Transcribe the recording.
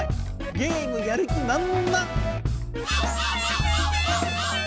ゲームやる気まんまん。